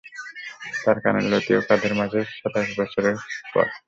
তার কানের লতি ও কাঁধের মাঝে সাতশ বছরের পথ।